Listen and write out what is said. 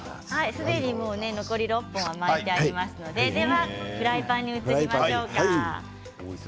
すでに残り６個は巻いてありますのでフライパンに移りましょうか。